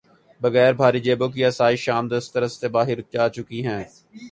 بغیر بھاری جیبوں کے آسائش شام دسترس سے باہر جا چکی ہیں۔